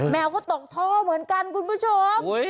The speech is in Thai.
แมวก็ตกท่อเหมือนกันคุณผู้ชม